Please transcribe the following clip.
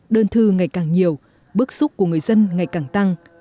đơn thư ngày càng nhiều bức xúc của người dân ngày càng tăng